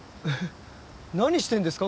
何してんですか？